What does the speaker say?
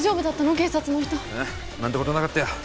警察の人ああ何てことなかったよ